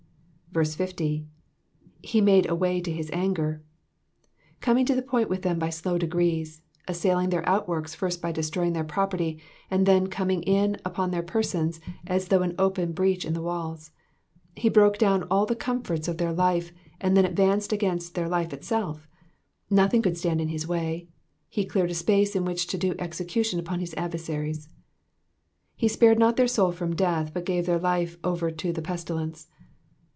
50. *'J3tf made a way to his anger,^^ coming to the point with them by slow degrees ; assailing their outworks first by destroying their property, and then coming in upon their persons as through an open breach in the walls. He broke Digitized by VjOOQIC 446 EXPOSITIONS OF THE PSALMS. down all the comforts of their life, and then advanced against their life itself. Nothing could stand in his way ; he cleared a space in which to do execution upon his adversaries. *'*^Ue spared not their soui from death, hut gave their life over to t/te pestiUnce.